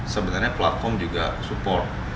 sebenarnya platform juga support